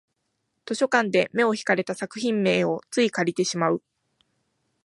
図書館で目を引かれた作品名をつい借りてしまう